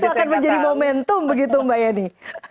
itu akan menjadi momentum begitu mbak yeni